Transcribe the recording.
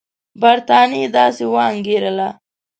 برټانیې داسې وانګېرله.